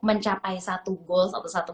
mencapai satu goals atau satu